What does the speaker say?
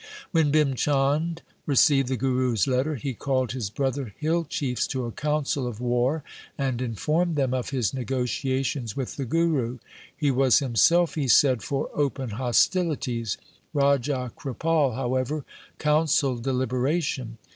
When Bhim Chand received the Guru's letter he called his brother hill chiefs to a council of war, and informed them of his negotiations with the Guru. He was himself, he said, for open hostili ties. Raja Kripal, however, counselled deliberation.